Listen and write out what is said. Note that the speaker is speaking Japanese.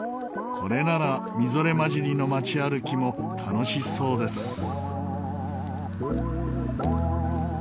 これならみぞれ交じりの街歩きも楽しそうです。